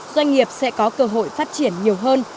doanh nghiệp sẽ có cơ hội phát triển nhiều hơn